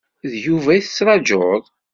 D Yuba i tettrajuḍ?